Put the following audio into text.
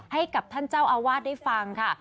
ให้กับท่านเจ้าอาวาสได้ฟังค่ะ